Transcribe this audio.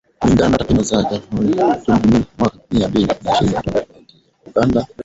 Kulingana na takwimu za Januari mwaka mia mbili na ishirini kutoka Benki Kuu ya Uganda.